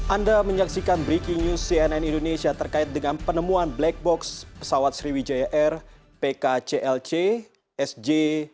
anda menyaksikan breaking news cnn indonesia terkait dengan penemuan black box pesawat sriwijaya air pk clc sj satu ratus delapan puluh dua